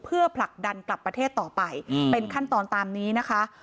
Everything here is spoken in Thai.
เพื่อผลักดันกลับประเทศต่อไปเป็นขั้นตอนตามนี้นะคะ